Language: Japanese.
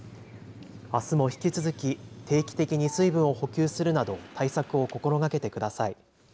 あすも引き続き定期的に水分を補給するなど対策を心がけてください。